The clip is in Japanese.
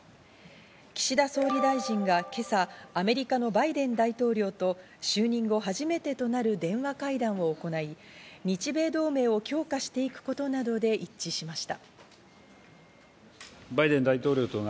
岸田総理大臣が今朝アメリカのバイデン大統領と就任後初めてとなる電話会談を行い日米同盟を強化していくことなどで一致しました。